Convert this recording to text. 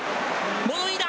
物言いだ！